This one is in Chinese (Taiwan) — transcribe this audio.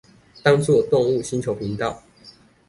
當作動物星球頻道